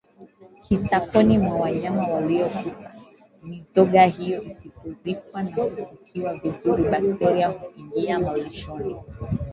kitakoni mwa wanyama waliokufa Mizoga hiyo isipozikwa na kufukiwa vizuri bakteria huingia malishoni